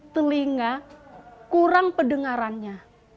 telinga kurang pendengarannya